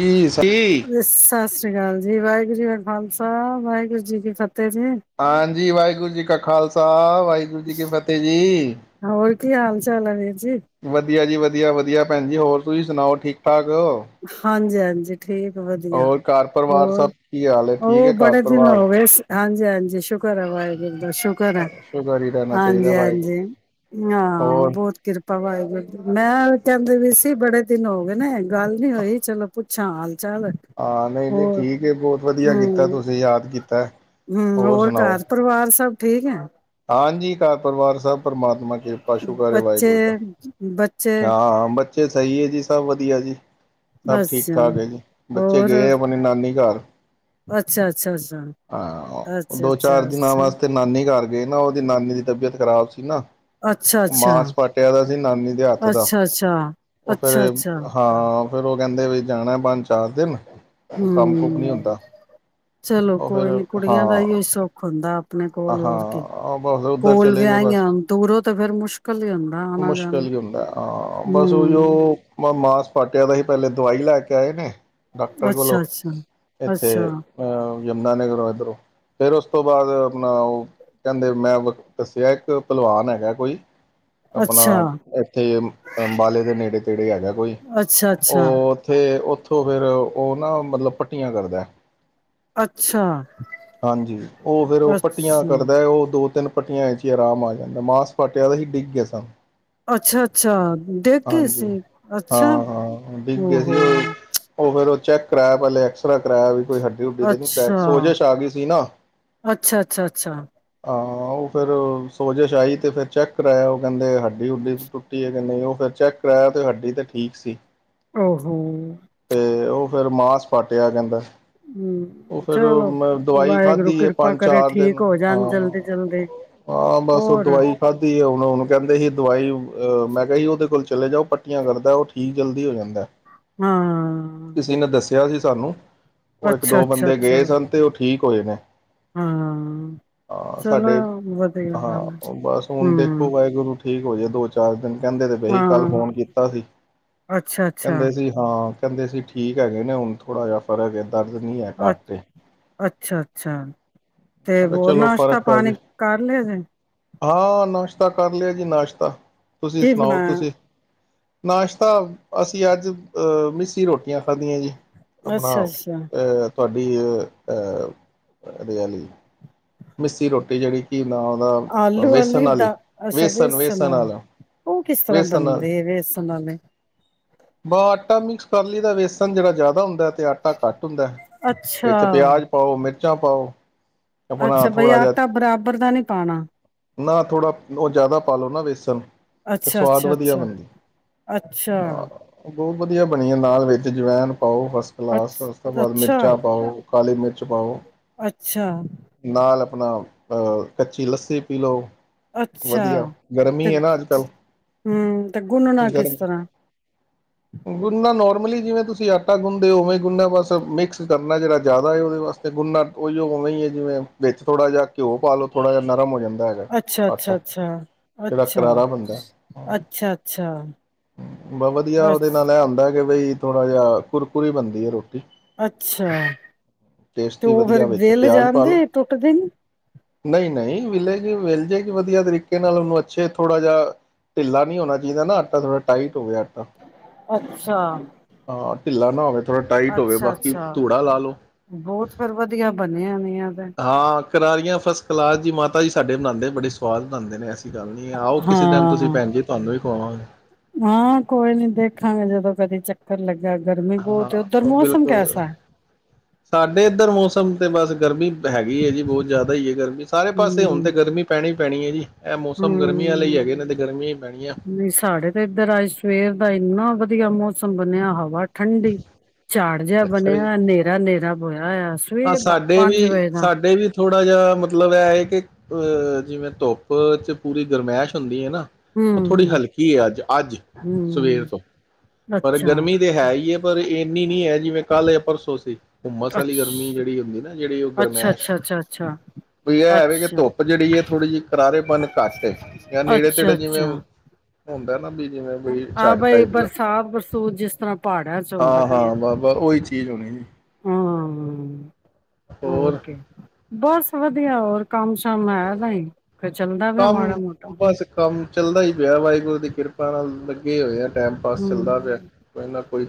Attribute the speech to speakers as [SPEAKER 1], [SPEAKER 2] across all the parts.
[SPEAKER 1] ਜੀ ਸਹੀ
[SPEAKER 2] ਸਤਿ ਸ੍ਰੀ ਅਕਾਲ ਜੀ ਵਾਹਿ ਵਾਹਿਗੁਰੂ ਜੀ ਕਾ ਖਾਲਸਾ ਵਾਹਿਗੁਰੂ ਜੀ ਕੀ ਫਤਿਹ ਤੇ ਅਜੇ
[SPEAKER 1] ਜੀ ਵਾਹਿਗੁਰੂ ਜੀ ਕਾ ਖਾਲਸਾ ਵਾਹਿਗੁਰੂ ਜੀ ਕੀ ਫਤਿਹ ਜੀ।
[SPEAKER 2] ਹੋਰ ਕੀ ਹਾਲ ਚਾਲ ਹੈ ਵੀਰ ਜੀ
[SPEAKER 1] ਵਧੀਆ ਜੀ ਵਧੀਆ ਵਧੀ ਵਧੀਆ ਭੈਣਜੀ ਹੋਰ ਤੁਸੀਂ ਸੁਣਾਓ ਠੀਕ ਠਾਕ ਹੋ?
[SPEAKER 2] ਹਾਂਜੀ ਹਾਂਜੀ ਜੀ ਠੀਕ ਵਧੀਆ।
[SPEAKER 1] ਹੋਰ ਘਰ ਪਰਿਵਾਰ ਸਭ
[SPEAKER 2] ਹੋਰ,
[SPEAKER 1] ਕੀ ਹਾਲ ਹੈ ਠੀਕ
[SPEAKER 2] ਉਹ
[SPEAKER 1] ਹੈ ਘਰ
[SPEAKER 2] ਬੜੇ ਦਿਨ
[SPEAKER 1] ਪਰਿਵਾਰ
[SPEAKER 2] ਹੋਗੇ ਹਾਂਜੀ ਹਾਂਜੀ ਸ਼ੁਕਰ ਹੈ ਵਾਹਿਗੁਰੂ ਦਾ। ਸ਼ੁਕਰ ਹੈ
[SPEAKER 1] ਸ਼ੁਕਰ ਹੀ ਰਹਿਣਾ
[SPEAKER 2] ਹਾਂਜੀ
[SPEAKER 1] ਚਾਹੀਦਾ
[SPEAKER 2] ਹਾਂਜੀ
[SPEAKER 1] ਵਾਹਿਗੁਰੂ
[SPEAKER 2] ਹਾਂ
[SPEAKER 1] ਹੋਰ
[SPEAKER 2] ਬਹੁਤ ਕਿਰਪਾ ਵਾਹਿਗੁਰੂ ਦੀ। ਮੈਂ ਕਹਿੰਦੇ ਪਈ ਸੀ ਬੜੇ ਦਿਨ ਹੋ ਗਏ ਨਾ ਗੱਲ ਨੀ ਹੋਈ ਚਲੋ ਅੱਛਾ
[SPEAKER 1] ਹਾਂ ਨਹੀਂ ਜੀ ਠੀਕ ਬਹੁਤ ਵਧੀਆ ਕੀਤਾ
[SPEAKER 2] ਹਮ
[SPEAKER 1] ਤੁਸੀਂ ਯਾਦ ਕੀਤਾ
[SPEAKER 2] ਹਮ
[SPEAKER 1] ਹੋਰ ਸੁਣਾਓ।
[SPEAKER 2] ਘਰ ਪਰਿਵਾਰ ਸਭ ਠੀਕ ਹੈ।
[SPEAKER 1] ਹਾਂਜੀ ਘਰ ਪਰਿਵਾਰ ਸਬ ਪ੍ਰਮਾਤਮਾ ਕਿਰਪਾ ਸ਼ੁਕਰ ਹੈ
[SPEAKER 2] ਬੱਚੇ
[SPEAKER 1] ਵਾਹਿਗੁਰ ਦਾ।
[SPEAKER 2] ਬੱਚੇ
[SPEAKER 1] ਹਾਂ ਬੱਚੇ ਸਹੀ ਹੈ ਜੀ ਸਭ ਵਧੀਆ ਜੀ। ਸਭ ਠੀਕ
[SPEAKER 2] ਅੱਛਾ
[SPEAKER 1] ਠਾਕ ਹੈ ਜੀ ਬੱਚੇ
[SPEAKER 2] ਹੋਰ
[SPEAKER 1] ਗਏ ਆਪਣੇ ਨਾਨੀ ਘਰ।
[SPEAKER 2] ਅੱਛਾ ਅੱਛਾ
[SPEAKER 1] ਹਾਂ
[SPEAKER 2] ਅੱਛਾ,
[SPEAKER 1] ਦੋ
[SPEAKER 2] ਅੱਛਾ,
[SPEAKER 1] ਚਾਰ ਦਿਨਾਂ ਵਾਸਤੇ ਨਾਨੀ ਘਰ ਗਏ ਨਾ ਉਹਦੀ ਨਾਨੀ ਦੀ ਤਬੀਅਤ ਖ਼ਰਾਬ ਸੀ ਨਾ।
[SPEAKER 2] ਅੱਛਾ, ਅੱਛਾ, ਅੱਛਾ, ਅੱਛਾ, ਅੱਛਾ,
[SPEAKER 1] ਮਾਸ ਪਾਟਿਆ ਦਾ ਸੀ ਨਾਨੀ ਦੇ ਹੱਥ ਦਾ
[SPEAKER 2] ਅੱਛਾ,
[SPEAKER 1] ਉਹ
[SPEAKER 2] ਅੱਛਾ,
[SPEAKER 1] ਫੇਰ
[SPEAKER 2] ਅੱਛਾ,
[SPEAKER 1] ਹਾਂ। ਫੇਰ ਉਹ ਕਹਿੰਦੇ ਵੀ ਜਾਣਾ ਪੰਜ ਚਾਰ ਦਿਨ ਕੰਮ ਕੁਮ ਨਹੀਂ
[SPEAKER 2] ਹੂੰ
[SPEAKER 1] ਹੁੰਦਾ
[SPEAKER 2] ਚਲੋ
[SPEAKER 1] ਉਹ ਫਿਰ
[SPEAKER 2] ਕੋਈ ਨੀ ਕੁੜੀਆਂ ਦਾ ਹੀ
[SPEAKER 1] ਹਾਂ
[SPEAKER 2] ਓ ਸੁੱਖ ਹੁੰਦਾ ਆਪਣੇ ਕੋਲ ਹੋਰ ਕੀ।
[SPEAKER 1] ਹਾਂ ਬਸ ਉੱਧਰ
[SPEAKER 2] ਕੋਲ
[SPEAKER 1] ਚਲੇ ਗਏ
[SPEAKER 2] ਵਿਆਹੀਆਂ
[SPEAKER 1] ਬਸ
[SPEAKER 2] ਹੋਣ ਦੂਰੋਂ ਤੇ ਫੇਰ ਮੁਸ਼ਕਿਲ ਹੀ ਹੁੰਦਾ ਆਣਾ ਜਾਣਾ।
[SPEAKER 1] ਮੁਸ਼ਕਿਲ ਹੀ ਹੁੰਦਾ ਹਾਂ ਬਸ ਉਹੀ
[SPEAKER 2] ਹੂੰ
[SPEAKER 1] ਉਹ ਮਾਸ ਪਾਟਿਆ ਪਿਆ ਸੀ ਪਹਿਲੇ ਦਵਾਈ ਲੈ ਕੇ ਆਏ ਨੇ। ਡਾਕਟਰ ਕੋਲੋਂ,
[SPEAKER 2] ਅੱਛਾ, ਅੱਛਾ,
[SPEAKER 1] ਇੱਥੇ।
[SPEAKER 2] ਅੱਛਾ,
[SPEAKER 1] ਅਹ ਨਾਨੇ ਘਰੋਂ ਇਧਰੋਂ, ਫੇਰ ਉਸ ਤੋਂ ਬਾਅਦ ਆਪਣਾ ਉਹ ਕਹਿੰਦੇ ਮੈਂ ਦੱਸਿਆ ਇੱਕ ਭਲਵਾਨ ਹੈਗਾ ਕੋਈ ਆਪਣਾ
[SPEAKER 2] ਅੱਛਾ,
[SPEAKER 1] ਇੱਥੇ ਹੀ ਅੰਬਾਲੇ ਦੇ ਨੇੜੇ ਤੇੜੇ ਹੈਗਾ ਕੋਈ,
[SPEAKER 2] ਅੱਛਾ, ਅੱਛਾ,
[SPEAKER 1] ਉਹ ਉੱਥੇ ਉਥੋਂ ਫੇਰ ਉਹ ਨਾ ਮਤਲਬ ਪੱਟੀਆਂ ਕਰਦੈ।
[SPEAKER 2] ਅੱਛਾ,
[SPEAKER 1] ਹਾਂਜੀ ਉਹ ਫੇਰ ਉਹ ਪੱਟੀਆਂ
[SPEAKER 2] ਅੱਛਾ,
[SPEAKER 1] ਕਰਦੈ ਹੈ ਉਹ ਦੋ ਤਿੰਨ ਪੱਟੀਆਂ ਚ ਹੀ ਆਰਾਮ ਆ ਜਾਂਦਾ ਮਾਸ ਫਟਿਆ ਪਿਆ ਸੀ ਡਿੱਗ ਗਏ ਸਨ।
[SPEAKER 2] ਅੱਛਾ-ਅੱਛਾ ਡਿੱਗ ਗਏ ਸੀ,
[SPEAKER 1] ਹਾਂਜੀ
[SPEAKER 2] ਅੱਛਾ
[SPEAKER 1] ਹਾਂ ਹਾਂ ਡਿੱਗ ਗਏ ਸੀ ਉਹ
[SPEAKER 2] ਔਹੋੋ
[SPEAKER 1] ਉਹ ਫਿਰ ਉਹ ਚੈੱਕ ਕਰਾਇਆ ਪਹਿਲੇ ਐਕਸ ਰੇ ਕਰਾਇਆ ਬਈ ਕੋਈ ਹੱਡੀ ਹੁੱਡੀ ਤੇ ਨਹੀਂ।
[SPEAKER 2] ਹਾਂ, ਅੱਛਾ-ਅੱਛਾ-ਅੱਛਾ।
[SPEAKER 1] ਹਾਂ ਉਹ ਫਿਰ ਸੋਜਿਸ਼ ਆਈ ਤੇ ਫਿਰ ਚੈੱਕ ਕਰਾਇਆ, ਉਹ ਕਹਿੰਦੇ ਹੱਡੀ ਹੁਡੀ ਟੁੱਟੀ ਹੈ, ਕਿ ਨਹੀਂ ਉਹ ਫਿਰ ਚੈੱਕ ਕਰਾਇਆ ਤੇ ਹੱਡੀ ਤੇ ਠੀਕ ਸੀ।
[SPEAKER 2] ਔਹੋ,
[SPEAKER 1] ਫਿਰ ਮਾਸ ਪਾਟਿਆ ਕਹਿੰਦਾ ਸੀ।
[SPEAKER 2] ਹੂੰ,
[SPEAKER 1] ਉਹ ਫੇਰ
[SPEAKER 2] ਚਲੋ
[SPEAKER 1] ਮੈਂ ਦਵਾਈ
[SPEAKER 2] ਵਾਹਿਗੁਰੂ
[SPEAKER 1] ਖਾਧੀ ਹੈ,
[SPEAKER 2] ਕਿਰਪਾ
[SPEAKER 1] ਪੰਜ
[SPEAKER 2] ਕਰੇ
[SPEAKER 1] ਚਾਰ ਦਿਨ
[SPEAKER 2] ਠੀਕ ਹੋ ਜਾਣ ਜਲਦੀ ਜਲਦੀ
[SPEAKER 1] ਹਾਂ-ਹਾਂ ਬਸ ਉਹ
[SPEAKER 2] ਹੋਰ
[SPEAKER 1] ਦਵਾਈ ਖਾਧੀ ਹੈ, ਹੁਣ ਹੁਣ ਕਹਿੰਦੇ ਸੀ ਦਵਾਈ। ਅਹ ਮੈਂ ਕਿਹਾ ਸੀ, ਉਹਦੇ ਕੋਲ ਚਲੇ ਜਾਓ ਪੱਟੀਆਂ ਕਰਦਾ ਉਹ ਠੀਕ ਜਲਦੀ ਹੋ ਜਾਂਦਾ।
[SPEAKER 2] ਹਾਂ
[SPEAKER 1] ਕਿਸੇ ਨੇ ਦੱਸਿਆ ਸੀ। ਸਾਨੂੰ ਉਹ ਇੱਕ
[SPEAKER 2] ਅੱਛਾ
[SPEAKER 1] ਦੋ
[SPEAKER 2] ਅੱਛਾ
[SPEAKER 1] ਬੰਦੇ
[SPEAKER 2] ਅੱਛਾ
[SPEAKER 1] ਗਏ ਸਨ, ਤੇ ਉੱਥੇ ਠੀਕ ਹੋਏ ਨੇ,
[SPEAKER 2] ਹਾਂ,
[SPEAKER 1] ਹਾਂ
[SPEAKER 2] ਚਲੋ ਏ
[SPEAKER 1] ਸਾਡੇ
[SPEAKER 2] ਵਧੀਆ ਗੱਲ ਹੈ
[SPEAKER 1] ਹਾਂ ਬਸ ਹੁਣ
[SPEAKER 2] ਹੂੰ,
[SPEAKER 1] ਦੇਖੋ ਵਾਹਿਗੁਰੂ ਠੀਕ ਹੋ ਜਾਏ ਦੋ ਚਾਰ ਦਿਨ ਕਹਿੰਦੇ ਤੇ ਪਏ ਸੀ
[SPEAKER 2] ਹਾਂ
[SPEAKER 1] ਕੱਲ ਫੋਨ ਕੀਤਾ ਸੀ,
[SPEAKER 2] ਅੱਛਾ ਅੱਛਾ
[SPEAKER 1] ਕਹਿੰਦੇ ਸੀ ਹਾਂ। ਕਹਿੰਦੇ ਸੀ, ਠੀਕ ਹੈਗੇ ਨੇ ਹੁਣ ਥੋੜਾ ਜਿਹਾ ਫਰਕ ਹੈ ਦਰਦ ਨਹੀਂ ਹੈ
[SPEAKER 2] ਅੱ
[SPEAKER 1] ਘੱਟ ਏ
[SPEAKER 2] ਅੱਛਾ-ਅੱਛਾ, ਤੇ
[SPEAKER 1] ਮੈਂ ਕਿਹਾ
[SPEAKER 2] ਹੋਰ
[SPEAKER 1] ਚਲੋ
[SPEAKER 2] ਨਾਸ਼ਤਾ
[SPEAKER 1] ਫ਼ਰਕ ਪੈ ਜੇ
[SPEAKER 2] ਪਾਣੀ ਕਰ ਲਿਆ ਜੇ।
[SPEAKER 1] ਤਾ ਕਰ ਲਿਆ ਜੀ ਨਾਸ਼ਤਾ, ਤੁਸੀਂ
[SPEAKER 2] ਕੀ
[SPEAKER 1] ਸੁਣਾਓ
[SPEAKER 2] ਬਣਾਇਆ
[SPEAKER 1] ਤੁਸੀਂ, ਨਾਸ਼ਤਾ ਅਸੀਂ ਅੱਜ ਅਹ ਮਿੱਸੀ ਰੋਟੀਆਂ। ਖਾਂਦੀਆਂ ਜੀ ਆਪਣਾ
[SPEAKER 2] ਅੱਛਾ ਅੱਛਾ
[SPEAKER 1] ਅਹ, ਤੁਹਾਡੀ ਅਹ ਰਿਆਲੀ, ਉਹਦਾ
[SPEAKER 2] ਆਲੂ
[SPEAKER 1] ਵੇਸਨ
[SPEAKER 2] ਵਾਲੀ
[SPEAKER 1] ਆਲੇ
[SPEAKER 2] ਦਾ ਅੱਛਾ
[SPEAKER 1] ਵੇਸਨ
[SPEAKER 2] ਵੇਸਣ
[SPEAKER 1] ਵੇਸਨ
[SPEAKER 2] ਵਾਲੇ
[SPEAKER 1] ਆਲਾ
[SPEAKER 2] ਉਹ ਕਿਸ ਤਰ੍ਹਾਂ
[SPEAKER 1] ਵੇਸਨ ਆਲੇ
[SPEAKER 2] ਬਣਦੇ ਵੇਸਣ ਵਾਲੇ
[SPEAKER 1] ਬ ਆਟਾ ਮਿਕਸ ਪਰਲੀ ਦਾ ਵੇਸਨ ਜਿਹੜਾ ਜ਼ਿਆਦਾ ਹੁੰਦਾ। ਆਟਾ ਘੱਟ ਹੁੰਦਾ
[SPEAKER 2] ਅੱਛਾ
[SPEAKER 1] ਵਿੱਚ ਪਿਆਜ਼ ਪਾਓ ਮਿਰਚ ਕੱਚਾ ਪਾਓ। ਆਪਣਾ
[SPEAKER 2] ਅੱਛਾ, ਬਈ
[SPEAKER 1] ਥੋੜ੍ਹਾ ਜਿਹਾ
[SPEAKER 2] ਆਟਾ ਬਰਾਬਰ ਦਾ ਨਹੀ ਪਾਣਾ।
[SPEAKER 1] ਨਾ ਥੋੜ੍ਹਾ ਉਹ ਜ਼ਿਆਦਾ ਪਾ ਲਓ ਨਾ ਵੇਸਣ ਸਵਾਦ ਵਧੀਆ ਬਣਦੀ
[SPEAKER 2] ਅੱਛਾ-ਅੱਛਾ-ਅੱਛਾ-ਅੱਛਾ।
[SPEAKER 1] ਹਾਂ ਬਹੁਤ ਵਧੀਆ, ਬਣੀਆਂ ਦਾਲ ਵਿੱਚ ਜਵਾਇਣ ਪਾਓ ਫਸਟ ਕਲਾਸ
[SPEAKER 2] ਅੱਛ
[SPEAKER 1] ਉਸ ਤੋਂ ਬਾਅਦ
[SPEAKER 2] ਅੱਛਾ
[SPEAKER 1] ਮਿਰਚਾਂ ਪਾਓ ਕਾਲੀ ਮਿਰਚ ਪਾਓ।
[SPEAKER 2] ਅੱਛਾ
[SPEAKER 1] ਨਾਲ ਆਪਣਾ ਅਹ ਕੱਚੀ ਲੱਸੀ ਪੀ ਲਓ।
[SPEAKER 2] ਅੱਛਾ
[SPEAKER 1] ਵਧੀਆ
[SPEAKER 2] ਤੇ
[SPEAKER 1] ਗਰਮੀ ਹੈ ਨਾ ਅੱਜ ਕੱਲ
[SPEAKER 2] ਹਮ ਤੇ ਗੁੰਨਣਾ ਕਿਸ
[SPEAKER 1] ਗਰਮੀ
[SPEAKER 2] ਤਰ੍ਹਾਂ
[SPEAKER 1] ਗੁੰਨਾ ਨੋਰਮਲੀ ਜਿਵੇਂ ਤੁਸੀਂ ਆਟਾ ਗੁੰਨਦੇ ਹੋ ਉਵੇਂ ਗੁੰਨਾ ਬਸ ਮਿਕਸ ਕਰਨਾ ਜਿਹੜਾ ਜ਼ਿਆਦਾ ਉਹਦੇ ਵਾਸਤੇ ਗੁੰਨਾ ਉ ਉਵੇਂ ਹੈ ਜਿਵੇਂ ਵਿੱਚ ਥੋੜਾ ਜਿਹਾ ਘਿਓ ਪਾਲੋ ਥੋੜਾ ਜਿਹਾ ਨਰਮ ਹੋ ਜਾਂਦਾ ਹੈਗਾ
[SPEAKER 2] ਅੱਛਾ ਅੱਛਾ
[SPEAKER 1] ਆਟਾ
[SPEAKER 2] ਅੱਛਾ
[SPEAKER 1] ਜਿਹੜਾ
[SPEAKER 2] ਅੱਛਾ
[SPEAKER 1] ਕਰਾਰਾ ਬਣਦਾ ਏ
[SPEAKER 2] ਅੱਛਾ ਅੱਛਾ
[SPEAKER 1] ਬਸ ਵਧੀਆ
[SPEAKER 2] ਅ
[SPEAKER 1] ਉਹਦੇ ਨਾਲ ਇਹ ਹੁੰਦਾ ਏ ਬਈ ਥੋੜਾ ਜਿਹਾ ਕੁਰਕੁਰੀ ਬਣਦੀ ਹੈ ਰੋਟੀ।
[SPEAKER 2] ਅੱਛਾ ਤੇ
[SPEAKER 1] ਟੇਸਟੀ
[SPEAKER 2] ਉਹ ਫੇਰ
[SPEAKER 1] ਵਧੀਆ
[SPEAKER 2] ਵਿਲ ਜਾਂਦੀ ਟੁੱਟ ਦੀ ਨੀ।
[SPEAKER 1] ਨਹੀਂ ਨਹੀਂ ਵਿਲੇਗੀ ਵਿਲ ਜੇਗੀ ਵਧੀਆ ਤਰੀਕੇ ਨਾਲ ਉਹਨੂੰ ਅੱਛੇ ਥੋੜ੍ਹਾ ਜਿਹਾ ਢਿੱਲਾ ਨਹੀਂ ਹੋਣਾ ਚਾਹੀਦਾ ਨਾ ਆਟਾ ਥੋੜਾ ਟਾਈਟ। ਹੋਵੇ ਆਟਾ
[SPEAKER 2] ਅੱਛਾ
[SPEAKER 1] ਹਾਂ। ਢਿੱਲਾ ਨਾ ਹੋਵੇ। ਥੋੜ੍ਹਾ ਟਾਈਟ ਹੋਵੇ
[SPEAKER 2] ਅੱਛਾ
[SPEAKER 1] ਬਾਕੀ
[SPEAKER 2] ਅੱਛਾ
[SPEAKER 1] ਧੂੜਾ ਲਾ ਲਓ
[SPEAKER 2] ਬਹੁਤ ਫਿਰ ਵਧੀਆ ਬਣਿਆ ਨੇ ਐਵੇ ਦੀਆ ਤੇ
[SPEAKER 1] ਹਾਂ ਕਰਾਰੀਆਂ ਫਸਟ ਕਲਾਸ ਜੀ ਮਾਤਾ ਜੀ। ਸਾਡੇ ਬਣਾਉਂਦੇ ਬੜੇ ਸਵਾਦ ਬਣਾਉਦੇ ਨੇ ਐਸੀ ਗੱਲ ਨੀ ਆਓ ਕਿਸੇ ਟਾਈਮ ਤੁਸੀਂ
[SPEAKER 2] ਹਾਂ
[SPEAKER 1] ਭੈਣ ਜੀ ਤੁਹਾਨੂੰ ਵੀ ਹੋਰ
[SPEAKER 2] ਹਾਂ ਕੋਈ ਨੀ ਦੇਖਾਂਗੇ ਜਦੋਂ ਕਦੀ ਚੱਕਰ ਲੱਗੇ।
[SPEAKER 1] ਹਾਂ ਬਿਲਕੁਲ ਸਾਡੇ ਇੱਧਰ ਮੌਸਮ ਤੇ ਬਸ ਗਰਮੀ ਹੈਗੀ ਹੈ ਜੀ ਬਹੁਤ ਜ਼ਿਆਦਾ ਹੀ ਹੈ ਗਰਮੀ। ਸਾਰੇ ਪਾਸੇ ਹੁਣ
[SPEAKER 2] ਹਮ
[SPEAKER 1] ਤੇ ਗਰਮੀ ਪੈਣੀ ਹੀ ਪੈਣੀ ਹੈ ਜੀ ਇਹ ਮੌਸਮ ਗਰਮੀਆਂ ਹੀ ਹੈਗੇ
[SPEAKER 2] ਹਮ
[SPEAKER 1] ਨੇ ਤੇ ਗਰਮੀ ਹੀ ਪੈਣੀ ਹੈ।
[SPEAKER 2] ਨਹੀਂ ਸਾਡੇ ਤੇ ਇੱਧਰ ਅੱਜ ਸਵੇਰ ਦਾ ਇੰਨਾ ਵਧੀਆ ਮੌਸਮ ਬਣਿਆ ਹਵਾ ਠੰਡੀ ਝਾੜ ਜਿਹਾ
[SPEAKER 1] ਅੱਛਾ ਜੀ
[SPEAKER 2] ਬਣਿਆ ਹਨੇਰਾ ਹਨੇਰਾ ਬੋਇਆ ਹੋਇਆ ਏ।
[SPEAKER 1] ਆ ਸਾਡੇ ਵੀ ਸਾਡੇ ਵੀ ਥੋੜ੍ਹਾ ਜਿਹਾ ਮਤਲਬ ਇਹ ਹੈ ਕਿ ਜਿਵੇਂ ਧੁੱਪ 'ਚ ਪੂਰੀ ਗਰਮੈਸ਼ ਹੁੰਦੀ ਹੈ ਨਾ
[SPEAKER 2] ਹੂੰ
[SPEAKER 1] ਉਹ ਥੋੜ੍ਹੀ
[SPEAKER 2] ਹੂੰ
[SPEAKER 1] ਹਲਕੀ ਹੈ ਅੱਜ ਅੱਜ ਸਵੇਰ
[SPEAKER 2] ਹੂੰ
[SPEAKER 1] ਤੋਂ ਪਰ
[SPEAKER 2] ਅੱਛਾ
[SPEAKER 1] ਗਰਮੀ ਤੇ ਹੈ ਹੀ ਹੈ। ਪਰ ਇੰਨੀ ਨੀ ਹੈ ਜਿਵੇਂ ਕੱਲ ਪਰਸੋਂ ਸੀ। ਹੂਮਸ ਆਲੀ
[SPEAKER 2] ਅੱਛ
[SPEAKER 1] ਗਰਮੀ ਜਿਹੜੀ ਹੁੰਦੀ ਨਾ ਜਿਹੜੀ ਉਹ
[SPEAKER 2] ਅੱਛਾ
[SPEAKER 1] ਗਰਮੈਸ਼
[SPEAKER 2] ਅੱਛਾ ਅੱਛਾ ਅੱਛਾ
[SPEAKER 1] ਵੀ ਇਹ ਹੈਵੇ ਕਿ
[SPEAKER 2] ਅੱਛਾ
[SPEAKER 1] ਧੁੱਪ ਜਿਹੜੀ ਹੈ ਥੋੜ੍ਹੀ ਜਿਹੀ ਕਰਾਰੇਪਨ ਘੱਟ ਜਾਂ ਨੇੜੇ
[SPEAKER 2] ਅੱਛਾ
[SPEAKER 1] ਤੇੜੇ ਜਿਵੇਂ
[SPEAKER 2] ਅੱਛਾ
[SPEAKER 1] ਹੁੰਦਾ ਨਾ ਬੀ
[SPEAKER 2] ਆਹ ਬਾਈ ਬਰਸਾਤ ਬਰਸੂਤ ਜਿਸ ਤਰ੍ਹਾਂ ਪਹਾੜਿਆਂ ਚ ਹੁੰਦੀ
[SPEAKER 1] ਹਾਂ
[SPEAKER 2] ਪੀ ਏ।
[SPEAKER 1] ਹਾਂ ਬ ਉਹੀ ਚੀਜ਼ ਹੋਣੀ ਜੀ।
[SPEAKER 2] ਹੂੰ ਹੂੰ ਹੋਰ ਕੀ। ਬਸ ਵਧੀਆ ਹੋਰ ਕੰਮ ਸ਼ਾਮ ਹੈ ਤਾਂ ਹੀ ਚੱਲਦਾ ਪਿਆ
[SPEAKER 1] ਕੰਮ,
[SPEAKER 2] ਮਾੜਾ ਮੋਟਾ
[SPEAKER 1] ਬਸ ਕੰਮ, ਚੱਲਦਾ ਹੀ ਪਿਆ ਵਾਹਿਗੁਰੂ ਦੀ ਕਿਰਪਾ ਨਾਲ ਇਹ ਹੋ ਯਾਰ। ਟਾਈਮ ਪਾਸ
[SPEAKER 2] ਹੂੰ
[SPEAKER 1] ਚੱਲਦਾ ਪਿਆ। ਕੋਈ ਨਾ ਕੋਈ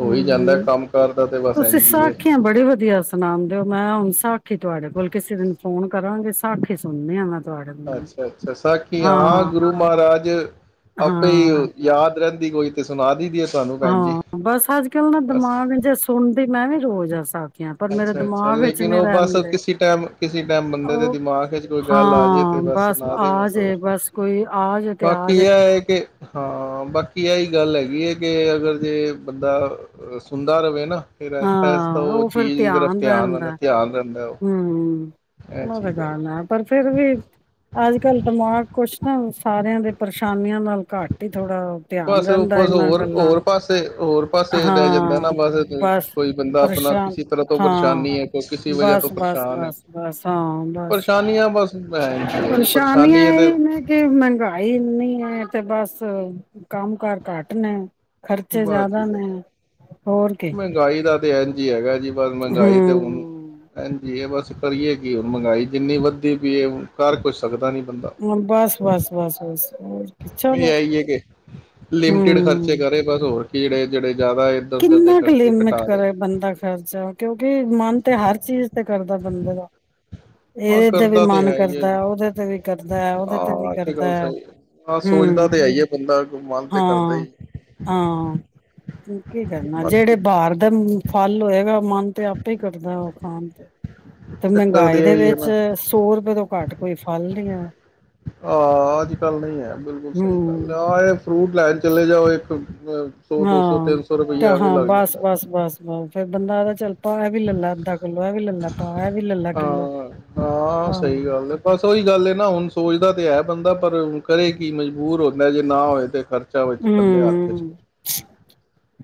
[SPEAKER 1] ਹੋ ਹੀ ਜਾਂਦਾ
[SPEAKER 2] ਹੂੰ
[SPEAKER 1] ਕੰਮ- ਕਾਰ ਦਾ ਤੇ ਬਸ
[SPEAKER 2] ਤੁਸੀਂ
[SPEAKER 1] ਐਨ ਜੀ।
[SPEAKER 2] ਸਾਖੀਆਂ ਬੜੀ ਵਧੀਆ ਸੁਣਾਉਂਦੇ ਹੋ ਮੈਂ ਹੁਣ ਸਾਖੀ ਤੁਹਾਡੇ ਕੋਲ ਕਿਸੇ ਦਿਨ ਫੋਨ ਕਰਾਂਗੇ ਸਾਖੀ ਸੁਣਦੇ ਹਾਂ ਮੈਂ ਤੁਹਾਡੇ ਕੋਲ
[SPEAKER 1] ਅੱਛਾ -ਅੱਛਾ ਸਾਖੀ ਹਾਂ ਗੁਰੂ ਮਹਾਰਾਜ, ਆਪੇ
[SPEAKER 2] ਹਾਂ
[SPEAKER 1] ਯਾਦ ਰਹਿੰਦੇ। ਕੋਈ ਤੇ ਸੁਣਾ ਦੀ। ਦੀ ਹੈ ਤੁਹਾਨੂੰ ਭੈਣ ਜੀ
[SPEAKER 2] ਹਾਂ, ਬਸ ਅੱਜ- ਕੱਲ ਨਾ
[SPEAKER 1] ਬਸ
[SPEAKER 2] ਦਿਮਾਗ ਜੇ ਸੁਣ ਮੈਂ ਵੀ ਰੋਜ਼ ਆ ਸਕਦਾ।
[SPEAKER 1] ਅੱਛਾ -ਅੱਛਾ ਲੇਕਿਨ ਉਹ ਬਸ ਕਿਸੇ ਟਾਈਮ ਕਿਸੇ ਟਾਈਮ ਬੰਦੇ ਦੇ
[SPEAKER 2] ਉਹ
[SPEAKER 1] ਦਿਮਾਗ ਵਿੱਚ ਕੋਈ ਗੱਲ ਆ ਜਾੇ ਤੇ
[SPEAKER 2] ਹਾਂ
[SPEAKER 1] ਬਸ ਸੁਣ ਦੇ
[SPEAKER 2] ਆ
[SPEAKER 1] ਬਸ।
[SPEAKER 2] ਜੇ ਬਸ ਕੋਈ ਆ ਜੇ ਤੇ ਆ
[SPEAKER 1] ਬਾਕੀ ਇਹ
[SPEAKER 2] ਜੇ
[SPEAKER 1] ਹੈ ਕਿ, ਹਾਂ ਬਾਕੀ ਇਹ ਗੱਲ ਹੈਗੀ ਹੈ ਕਿ ਅਗਰ ਜੇ ਬੰਦਾ ਸੁਣਦਾ ਰਹੇ ਨਾ ਫੇਰ ਰਸਤਾ-
[SPEAKER 2] ਹਾਂ
[SPEAKER 1] ਰਸਤਾ ਉਹ ਚੀਜ਼ ਦੀ ਤਰਫ ਧਿਆਨ ਰਹਿੰਦਾ ਧਿਆਨ ਰਹਿੰਦਾ। ਉਹ
[SPEAKER 2] ਹਮ
[SPEAKER 1] ਇਹ
[SPEAKER 2] ਉਹ ਤੇ
[SPEAKER 1] ਚੀਜ਼
[SPEAKER 2] ਗੱਲ ਹੈ ਪਰ ਫਿਰ ਵੀ ਅੱਜ ਕੱਲ ਦਿਮਾਗ ਕੁਛ ਨਾ [unintelligible] ਸਾਰੇ ਦੇ ਪਰੇਸ਼ਾਨੀਆਂ ਨਾਲ ਘੱਟ ਹੀ ਥੋੜਾ ਧਿਆਨ
[SPEAKER 1] ਬਸ ਉਹ
[SPEAKER 2] ਰਹਿੰਦਾ
[SPEAKER 1] ਬਸ
[SPEAKER 2] ਇਹਨਾਂ
[SPEAKER 1] ਹੋਰ-
[SPEAKER 2] ਗੱਲਾਂ
[SPEAKER 1] ਹੋਰ ਪਾਸੇ ਹੋਰ ਪਾਸੇ ਰਹਿ ਜਾਂਦਾ ਨਾ ਬਸ ਕੋਈ ਬੰਦਾ ਆਪਣਾ
[SPEAKER 2] ਪਰੇਸ਼ਾਨ
[SPEAKER 1] ਕਿਸੇ ਤਰ੍ਹਾਂ ਤੋਂ
[SPEAKER 2] ਹਾਂ
[SPEAKER 1] ਪਰੇਸ਼ਾਨੀ ਹੈ ਕੋਈ ਵਜ੍ਹਾ
[SPEAKER 2] ਬਸ
[SPEAKER 1] ਤੋਂ
[SPEAKER 2] -ਬਸ
[SPEAKER 1] ਪਰੇਸ਼ਾਨ ਹੈ
[SPEAKER 2] -ਬਸ -ਬਸ ਹਾਂ, ਬਸ
[SPEAKER 1] ਪਰੇਸ਼ਾਨੀਆਂ ਬਸ ਭੈਣ ਜੀ ਹੈ ਜੀ
[SPEAKER 2] ਪਰੇਸ਼ਾਨੀਆਂ
[SPEAKER 1] ਪਰੇਸ਼ਾਨੀ ਹੈ ਤੇ
[SPEAKER 2] ਇਹ ਨੇ ਕਿ ਮਹਿੰਗਾਈ ਇੰਨੀ ਹੈ। ਤੇ ਬਸ ਕੰਮ ਕਾਰ ਘੱਟ ਨੇ ਖਰਚੇ
[SPEAKER 1] ਬਸ
[SPEAKER 2] ਜ਼ਿਆਦਾ
[SPEAKER 1] ਜੀ
[SPEAKER 2] ਨੇ, ਹੋਰ ਕੀ।
[SPEAKER 1] ਤੇਜੀ ਜੀ ਹੈਗਾ ਜੀ ਬਸ ਮਹਿੰਗਾਈ ਤੇ ਹਨ।
[SPEAKER 2] ਹਮ
[SPEAKER 1] ਹਾਂਜੀ, ਇਹ ਬਸ ਕਰੀਏ ਕਿ ਹੁਣ ਮਹਿੰਗਾਈ ਜਿੰਨੀ ਵੱਧਦੀ ਪਈਏ ਘਰ ਕੁਛ ਸਕਦਾ ਨੀ
[SPEAKER 2] ਹਮ ਬਸ -ਬਸ- ਬਸ -ਬਸ। ਹੋਰ ਕੀ
[SPEAKER 1] ਨਹੀਂ,
[SPEAKER 2] ਚਲੋ
[SPEAKER 1] ਆਈ ਹੈ ਕੇ? ਲਿਮਿਟਿਡ
[SPEAKER 2] ਹਮ
[SPEAKER 1] ਖਰਚੇ ਕਰੇ ਬਸ ਹੋਰ ਕਿੜੇ ਜਿਹੜੇ ਜ਼ਿਆਦਾ ਇੱਧਰ ਉਧਰ ਦੇ
[SPEAKER 2] ਕਿੰਨਾ ਕੁ
[SPEAKER 1] ਖਰਚੇ
[SPEAKER 2] ਲਿਮਿਟ
[SPEAKER 1] ਘਟਾ ਦੇ
[SPEAKER 2] ਕਰੇ ਬੰਦਾ ਖਰਚਾ ਕਿਉਕਿ ਮਨ ਤੇ ਹਰ ਚੀਜ਼ ਤੇ ਕਰਦਾ ਬੰਦੇ ਦਾ,
[SPEAKER 1] ਹਾਂ
[SPEAKER 2] ਇਹਦੇ ਤੇ ਵੀ
[SPEAKER 1] ਕਰਦਾ
[SPEAKER 2] ਮਨ
[SPEAKER 1] ਹੀ
[SPEAKER 2] ਕਰਦਾ ਹੈ।
[SPEAKER 1] ਜੀ
[SPEAKER 2] ਉਹਦੇ ਤੇ ਵੀ ਕਰਦਾ ਹੈ। ਉਹਦੇ ਤੇ ਵੀ
[SPEAKER 1] ਹਾਂ ਇਹ
[SPEAKER 2] ਕਰਦਾ
[SPEAKER 1] ਗੱਲ
[SPEAKER 2] ਹੈ।
[SPEAKER 1] ਸਹੀ ਹਾਂ ਸੋਚਦਾ
[SPEAKER 2] ਹੂੰ
[SPEAKER 1] ਤੇ ਹੈਈ ਹੈ ਬੰਦਾ ਮਨ ਤੇ ਕਰਦਾ
[SPEAKER 2] ਹਾਂ
[SPEAKER 1] ਹੀ।
[SPEAKER 2] ਹਾਂ ਕੀ ਕਰਨਾ ਜਿਹੜੇ
[SPEAKER 1] ਬਾਕੀ
[SPEAKER 2] ਬਾਹਰ ਦਾ ਫਲ ਹੋਏਗਾ ਮਨ ਤੇ ਆਪੇ ਕਰਦਾ ਉਹ ਖਾਣ ਤੇ। ਤੇ
[SPEAKER 1] ਚੱਕਰ
[SPEAKER 2] ਮਹਿੰਗਾਈ ਦੇ ਵਿੱਚ ਸੌ ਰੁਪਏ ਤੋਂ ਘੱਟ ਕੋਈ ਫਲ ਨੀ ਹੈ
[SPEAKER 1] ਆਂ ਅੱਜਕੱਲ ਨਹੀਂ ਹੈ, ਬਿਲਕੁਲ ਸਹੀ ਗੱਲ
[SPEAKER 2] ਹੂੰ
[SPEAKER 1] ਆ, ਇਹ ਫਰੂਟ ਲੈ ਚਲੇ ਜਾਓ ਇੱਕ ਸੌ ਦੋ ਸੌ
[SPEAKER 2] ਹਾਂ,
[SPEAKER 1] ਤਿੰਨ ਸੌ ਰੁਪਈਆ ਐਵੇਂ
[SPEAKER 2] ਹਾਂ,
[SPEAKER 1] ਲੱਗ ਜਾਂਦਾ
[SPEAKER 2] ਬਸ-ਬਸ-ਬਸ-ਬਸ ਫੇਰ ਬੰਦਾ ਆਦਾ ਚੱਲ ਪਾ ਇਹ ਵੀ ਲੈਲਾ ਅੱਧਾ ਕਿੱਲੋ, ਇਹ ਵੀ ਲੈਲਾ ਪਾ, ਇਹ ਵੀ ਲੈਲਾ ਕਿੱਲੋ,
[SPEAKER 1] ਹਾਂ,
[SPEAKER 2] ਹਾਂ।
[SPEAKER 1] ਏਹੀ ਗੱਲ ਹੈ ਨਾ, ਹੁਣ ਸੋਚਦਾ ਤੇ ਹੈ ਬੰਦਾ ਪਰ ਕਰੇ ਕਿ ਮਜਬੂਰ ਹੋ ਗਿਆ। ਪਹਿਲੇ ਨਾ ਹੋਏ ਤੇ ਖਰ ਬੱਚਾ ਵਿੱਚ ਬੰਦੇ ਹੱਥ ਚ
[SPEAKER 2] ਹੂੰ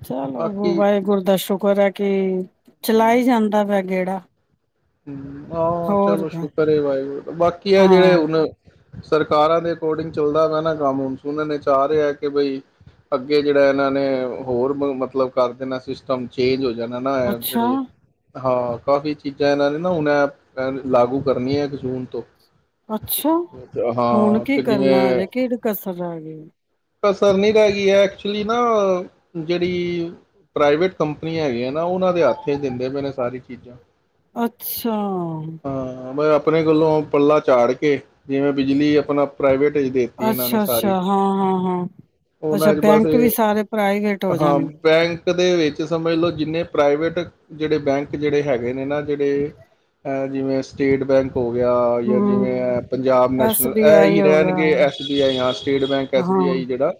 [SPEAKER 2] ਚਲੋ ਅੱਗੋਂ
[SPEAKER 1] ਬਾਕੀ
[SPEAKER 2] ਵਾਹਿਗੁਰੂ ਦਾ ਸ਼ਕ [unintelligible] ਕੀ ਚਲਾਈ ਜਾਂਦਾ ਪਿਆ। ਜਿਹੜਾ
[SPEAKER 1] ਹੂੰ, ਹਾਂ ਚਲੋ ਸ਼ੁਕਰ ਹੈ ਵਾਹਿਗੁਰੂ ਦਾ, ਬਾਕੀ ਆ ਜਿਹੜੇ
[SPEAKER 2] ਹਾਂ
[SPEAKER 1] ਹੁਣ ਸਰਕਾਰਾਂ ਦੇ ਅਕੋਰਡਿੰਗ ਚੱਲਦਾ ਪਿਆ ਨਾ ਕੰਮ ਹੁਣ, ਸੁਨਣ ਚ ਆ ਰਿਹਾ ਕਿ ਬਈ ਅੱਗੇ ਜਿਹੜਾ ਇਹਨਾਂ ਨੇ ਹੋਰ ਮ ਮਤਲਬ ਕਰ ਦੇਣਾ ਸਿਸਟਮ ਚੇਂਜ ਹੋ ਹੋ ਜਾਣਾ ਨਾ ਏ
[SPEAKER 2] ਅੱਛਾ
[SPEAKER 1] ਜਿਹੜੇ ਹਾਂ ਕਾਫੀ ਚੀਜ਼ ਦੂਜਾ ਇਹਨਾਂ ਨੇ ਨਾ ਹੁਣ ਏਹ [unintelligible] ਲਾਗੂ ਕਰਨੀ ਹੈ ਇੱਕ ਜੂਨ ਤੋਂ।
[SPEAKER 2] ਅੱਛਾ, ਹੁਣ
[SPEAKER 1] ਹਾਂ
[SPEAKER 2] ਕੀ
[SPEAKER 1] ਕਿ
[SPEAKER 2] ਕਰਨਾ
[SPEAKER 1] ਜਿਵੇਂ
[SPEAKER 2] ਅਜੇ, ਕਿਹੜੀ ਕਸਰ ਰਹੇ ਗਈ?
[SPEAKER 1] ਕਸਰ ਨੀ ਰਹਿ ਗਈ ਹੈ ਏਹ ਐਕਚੁਲੀ ਨਾ, ਜਿਹੜੀ ਪ੍ਰਾਈਵੇਟ ਕੰਪਨੀ ਹੈਗੀਆਂ ਨਾ ਉਹਨਾਂ ਦੇ ਹੱਥ ਏਹ ਦਿੰਦੇ ਪਏ ਨੇ ਸਾਰੀ ਚੀਜ਼ਾਂ।
[SPEAKER 2] ਅੱਛਾ,
[SPEAKER 1] ਅਪਣੇ ਗੱਲੋਂ ਪੱਲਾ ਚਾੜ ਕੇ, ਜਿਵੇਂ ਬਿਜਲੀ ਆਪਣਾ ਪ੍ਰਾਈਵੇਟ ਚ ਦੇਤੀ ਇਹਨਾਂ ਨੇ ਸਾਰੀ
[SPEAKER 2] ਅੱਛਾ-ਅੱਛਾ ਹਾਂ। ਹਾਂ ਹਾਂ ਅੱਛਾ
[SPEAKER 1] ਉਹਨਾਂ ਚ ਬਸ
[SPEAKER 2] ਬੈਂਕ
[SPEAKER 1] ਏ,
[SPEAKER 2] ਵੀ ਸਾਰੇ ਪ੍ਰਾਈਵੇਟ ਹੋ
[SPEAKER 1] ਹਾਂ
[SPEAKER 2] ਜਾਣਗੇ
[SPEAKER 1] ਬੈਂਕ ਦੇ ਵਿੱਚ ਸਮਝ ਲਓ ਜਿੰਨੇ ਪ੍ਰਾਈਵੇਟ ਜਿਹੜੇ ਬੈਂਕ ਜਿਹੜੇ ਹੈਗੇ ਨੇ ਨਾ ਜਿਹੜੇ, ਅਹ ਜਿਵੇਂ ਸਟੇਟ ਬੈਂਕ। ਹੋ ਗਿਆ ਜਾਂ ਜਿਵੇਂ
[SPEAKER 2] ਹੂੰ
[SPEAKER 1] ਪੰਜਾਬ
[SPEAKER 2] ਐਸ
[SPEAKER 1] ਨੈਸ਼ਨਲ
[SPEAKER 2] ਬੀ
[SPEAKER 1] ਇਹ
[SPEAKER 2] ਆਈ
[SPEAKER 1] ਹੀ
[SPEAKER 2] ਹੋ ਗਿਆ
[SPEAKER 1] ਰਹਿਣਗੇ ਐੱਸ ਬੀ ਆਈ ਜਾਂ ਸਟੇਟ ਬੈਂਕ ਐਸ ਬੀ
[SPEAKER 2] ਹਾਂ
[SPEAKER 1] ਆਈ ਜਿਹੜਾ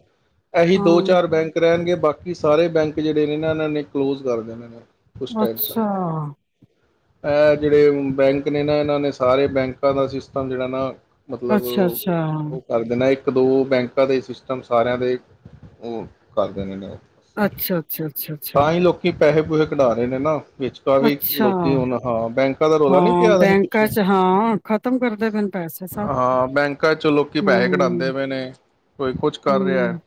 [SPEAKER 1] ਇਹੀ ਦੋ
[SPEAKER 2] ਹਾਂ
[SPEAKER 1] ਚਾਰ ਬੈਂਕ ਰਹਿਣਗੇ ਬਾਕੀ ਸਾਰੇ ਬੈਂਕ ਜਿਹੜੇ ਨੇ ਨਾ ਇਹਨਾਂ ਨੇ ਕਲੋਜ ਕਰ ਦੇਣੇ ਨੇ। ਕੁਛ ਟਾਈਮ ਤੱਕ
[SPEAKER 2] ਅੱਛਾ,
[SPEAKER 1] ਇਹ ਜਿਹੜੇ ਬੈਂਕ ਨੇ ਨਾ ਇਹਨਾਂ ਨੇ ਸਾਰੇ ਬੈਂਕਾਂ ਦਾ ਸਿਸਟਮ ਜਿਹੜਾ ਨਾ ਮਤਲਬ
[SPEAKER 2] ਅੱਛਾ ਅੱਛਾ
[SPEAKER 1] ਉਹ ਕਰ ਦੇਣਾ ਇੱਕ ਇੱਕ ਦੋ ਬੈਂਕ ਤਦੇ ਸਿਸਟਮ ਸਾਰਿਆਂ ਦੇ ਉਹ ਕਰਦੇ ਨੇ ਉਹ
[SPEAKER 2] ਅੱਛਾ-ਅੱਛਾ-ਅੱਛਾ-ਅੱਛਾ।
[SPEAKER 1] ਪੈਸੇ ਪੂਸੇ ਕਢਾ ਰਹੇ ਨੇ ਨਾ। ਵਿਚਕਾ ਵੀ
[SPEAKER 2] ਅੱਛਾ
[SPEAKER 1] ਲੋਕੀ ਹੁਣ ਹਾਂ ਬੈਂਕਾਂ ਦਾ ਰੌਲਾ ਨੀ
[SPEAKER 2] ਹਾਂ
[SPEAKER 1] ਪਿਆ ਅਸੀ
[SPEAKER 2] ਬੈਂਕਾਂ
[SPEAKER 1] ਪਿੱਛੇ
[SPEAKER 2] ਚ ਹਾਂ ਖਤਮ ਕਰਦੇ ਪਏ ਨੇ ਪੈਸੇ ਸਭ
[SPEAKER 1] ਹਾਂ ਬੈਂਕਾਂ ਚੋਂ ਲੋਕੀ ਪੈਸੇ
[SPEAKER 2] ਹੂੰ,
[SPEAKER 1] ਕਢਾਉਦੇ ਪਏ ਨੇ। ਕੋਈ ਕੁਛ ਕਰ ਰਿਹਾ ਹੈ।
[SPEAKER 2] ਹੂੰ,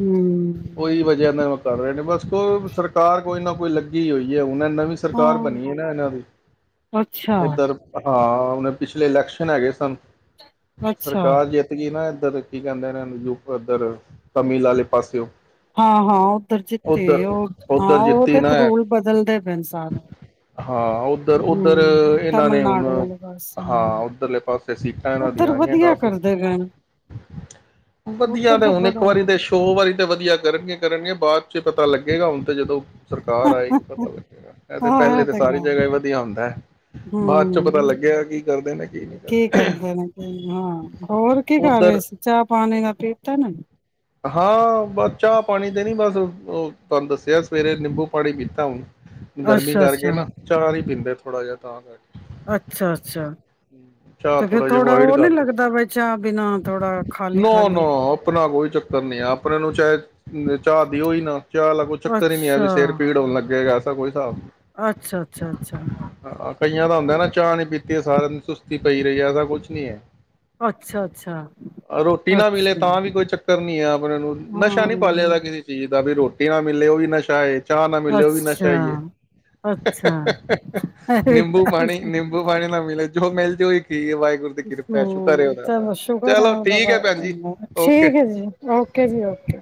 [SPEAKER 2] ਹੂੰ,
[SPEAKER 1] ਉਹਹੀ ਵਜ੍ਹਾ ਨਾਲ ਕਰ ਰਹੇ ਨੇ ਬਸ ਕੋਈ ਸਰਕਾਰ ਕੋਈ ਨਾ ਕੋਈ ਲੱਗੀ ਹੋਈ ਹੈ। ਉਹ ਨਵੀਂ ਸਰਕਾਰ ਬਣੀ
[SPEAKER 2] ਆਹ
[SPEAKER 1] ਹੈ ਨਾ ਇਹਨਾਂ ਦੀ
[SPEAKER 2] ਅੱਛਾ,
[SPEAKER 1] ਇੱਧਰ ਹਾਂ ਹੁਨ ਪਿਛਲੇ ਇਲੈਕਸ਼ਨ ਹੈਗੇ ਸਨ
[SPEAKER 2] ਅੱਛਾ।
[SPEAKER 1] ਸਰਕਾਰ ਜਿੱਤ ਗਈ ਨਾ। ਤਦੀ ਕੀ ਕਹਿੰਦੇ ਨੇ [inaudible] ਇੱਧਰ ਤਮਿਲ ਵਾਲੇ ਪਾਸਿਓ
[SPEAKER 2] ਹਾਂ ਹਾਂ ਉਧਰ ਜਿੱਤੇ
[SPEAKER 1] ਉੱਧਰ
[SPEAKER 2] ਉਹ ਹਾਂ
[SPEAKER 1] ਉੱਧਰ ਜਿੱਤੀ
[SPEAKER 2] ਉਹਦੇ
[SPEAKER 1] ਨਾ ਹੈ
[SPEAKER 2] ਰੂਲ ਬਦਲਦੇ ਪਏ ਸਾਰੇ।
[SPEAKER 1] ਹਾਂ ਉਧਰ ਉੱਧਰ
[SPEAKER 2] ਹੂੰ,
[SPEAKER 1] ਇਹਨਾਂ ਨੇ ਹੁਣ
[SPEAKER 2] ਤਮਿਲਨਾਡੂ ਵਾਲੇ ਪਾਸ
[SPEAKER 1] ਹਾਂ
[SPEAKER 2] ਹੂੰ,
[SPEAKER 1] ਉੱਧਰਲੇ ਪਾਸੇ ਸੀਟਾਂ ਇਹਨਾਂ ਦੀ
[SPEAKER 2] ਉੱਧਰ
[SPEAKER 1] ਆਗੀਆਂ
[SPEAKER 2] ਵਧੀਆ
[SPEAKER 1] ਕਾਫੀ।
[SPEAKER 2] ਕਰਦੇ ਪਏ ਨੇ।
[SPEAKER 1] ਵਧੀਆ
[SPEAKER 2] ਉੱਧਰ
[SPEAKER 1] ਤੇ
[SPEAKER 2] ਤਾਂ
[SPEAKER 1] ਹੁਣ ਇੱਕ
[SPEAKER 2] ਬੜਾ
[SPEAKER 1] ਵਾਰੀ ਤੇ ਸੋ ਵਾਰੀ ਤੇ ਵਧੀਆ ਕਰਨਗੇ ਕਰਨਗੇ ਬਾਅਦ ਚ ਪਤਾ ਲੱਗੇਗਾ ਹੁਣ ਤੇ ਜਦੋਂ ਸਰਕਾਰ ਆਏਗੀ ਪਤਾ ਲੱਗੇਗਾ। ਇਹ ਤੇ
[SPEAKER 2] ਹਾਂ
[SPEAKER 1] ਪਹਿਲੇ ਤਾਂ
[SPEAKER 2] ਤੇ
[SPEAKER 1] ਸਾਰੀ
[SPEAKER 2] ਗੱਲ
[SPEAKER 1] ਜਗ੍ਹਾ ਹੀ ਵਧੀਆ ਹੁੰਦਾ ਹੈ ਬਾਅਦ ਚੋਂ ਪਤਾ
[SPEAKER 2] ਹੂੰ।
[SPEAKER 1] ਲੱਗੇਗਾ ਕੀ ਕਰਦੇ ਨੇ ਕੀ ਨਹੀਂ
[SPEAKER 2] ਨੇ
[SPEAKER 1] ਕਰਦੇ।
[SPEAKER 2] ਕੀ- ਹਾਂ ਹੋਰ ਕੀ ਕਰ ਰਹੇ
[SPEAKER 1] ਉੱਧਰ
[SPEAKER 2] ਸੀ ਚਾਹ ਪਾਣੀ ਨਾਲ ਪੀਤਾ ਨਾ
[SPEAKER 1] ਹਾਂ ਬਸ ਚਾਹ ਪਾਣੀ ਤੇ ਨੀ ਬਸ ਉਹ ਤੁਹਾਨੂੰ ਦੱਸਿਆ ਸਵੇਰੇ ਨਿੰਬੂ ਪਾਣੀ ਪੀਤਾ ਹੁਣ ਗਰਮੀ ਕਰਕੇ
[SPEAKER 2] ਅੱਛਾ-ਅੱਛਾ,
[SPEAKER 1] ਨਾ ਚਾਹ ਨੀ ਪੀਦੇ ਥੋੜ੍ਹਾ ਜਿਹਾ ਤਾਂ ਕਰਕੇ।
[SPEAKER 2] ਅੱਛਾ ਅੱਛਾ
[SPEAKER 1] ਚਾਹ ਥੋੜਾ ਜਿਹਾ ਅਵਇਡ ਕਰ ਲ
[SPEAKER 2] ਲੱਗਦਾ ਬਈ ਚਾਹ ਬਿਨਾਂ ਥੋੜਾ
[SPEAKER 1] ਨਾ ਨ
[SPEAKER 2] ਖਾਲੀ-ਖਾਲੀ
[SPEAKER 1] ਆਪਣਾ ਕੋਈ ਚੱਕਰ ਨੀ ਆ ਆਪਣੇ ਨੂੰ ਚਾਹ ਚਾਹ ਦਿਓ ਹੀ ਨਾ ਚਾਹ ਦਾ ਕੋਈ ਚੱਕਰ ਹੀ ਨੀ ਹੈ
[SPEAKER 2] ਅੱਛਾ,
[SPEAKER 1] ਵੀ ਸਿਰ ਪੀੜ ਹੋਣ ਲੱਗੇਗਾ। ਕੋਈ ਸਾਹਿਬ
[SPEAKER 2] ਅੱਛਾ, ਅੱਛਾ, ਅੱਛਾ।
[SPEAKER 1] ਹਾਂ ਕਈਆਂ ਦਾ ਹੁੰਦਾ ਨਾ ਚਾਅ ਨੀ ਪੀਤੇ ਸਾਰਿਆਂ ਨੂੰ ਸੁਸਤੀ ਪਈ ਰਹੀ ਹੈ ਐਸਾ ਕੁਛ ਨਹੀਂ ਹੈ।
[SPEAKER 2] ਅੱਛਾ ਅੱਛਾ ਅੱਛਾ
[SPEAKER 1] ਕਰਨੀ ਹੈ ਆਪ ਆਪ ਨੂੰ ਨਸ਼ਾ ਨੀ ਪਾਲਿਆ
[SPEAKER 2] ਹਾਂ।
[SPEAKER 1] ਕਿਸੇ ਚੀਜ਼ ਦਾ ਵੀ ਰੋਟੀ ਨਾ ਮਿਲੇ ਉਹ ਵੀ ਨਸ਼ਾ ਏ। ਚਾਹ ਨਾ ਮਲੇ ਉਹ ਵੀ ਨਸ਼ਾ
[SPEAKER 2] ਅੱਛਾ,
[SPEAKER 1] ਹੀ ਹੈ।
[SPEAKER 2] ਅੱਛਾ, ਅਰੇ
[SPEAKER 1] ਨਿੰਬੂ ਪਾਣੀ ਨਿੰਬੂ ਪਾਣੀ ਨਾ ਮਿਲੇ ਮਿਲ ਜੂ ਈ
[SPEAKER 2] ਹੂੰ ਚਲੋ ਸ਼ੁਕਰ
[SPEAKER 1] ਚਲੋ
[SPEAKER 2] ਆ ਓਹ ਦਾ
[SPEAKER 1] ਠੀਕ ਹੈ ਭੈਣ ਜੀ
[SPEAKER 2] ਵਾਹਿਗੁਰੂ ਦਾ।
[SPEAKER 1] ਓਕੇ
[SPEAKER 2] ਠੀਕ ਹੈ ਜੀ। ਓਕੇ ਜੀ ਓਕੇ।